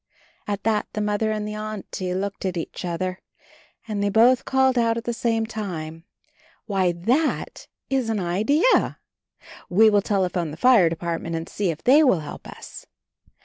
At that the Mother and the Auntie looked at each other, and they both called out at the same time, "Why, that is an idea! We will telephone the Fire Department and see if they will help us."